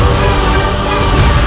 kau tak bisa menyembuhkan